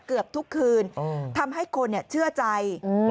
เกือบทุกคืนทำให้คนเชื่อใจ